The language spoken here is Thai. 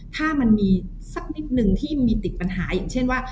ถ้ามันมีสักนิดนึงที่มีติดปัญหาอย่างเช่นว่า